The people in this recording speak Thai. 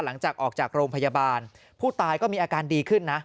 หลังจากออกจากโรงพยาบาลผู้ตายก็มีอาการดีขึ้นนะ